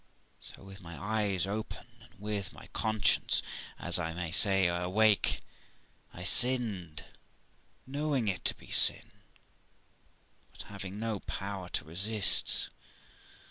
So, with my eyes open, and with my conscience, as I may say, awake, I sinned, knowing it to be a sin but having no power to resist.